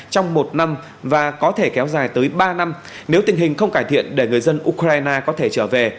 trong một năm và có thể kéo dài tới ba năm nếu tình hình không cải thiện để người dân ukraine có thể trở về